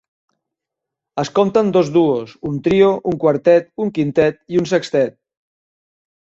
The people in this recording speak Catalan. Es compten dos duos, un trio, un quartet, un quintet, i un sextet.